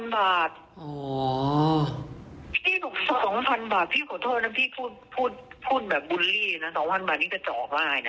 ๒๐๐๐บาทพี่ขอโทษนะพี่พูดแบบบุลลี่นะ